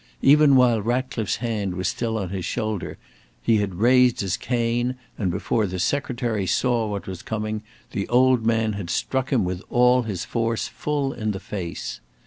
Even while Ratcliffe's hand was still on his shoulder he had raised his cane, and before the Secretary saw what was coming, the old man had struck him with all his force full in the face.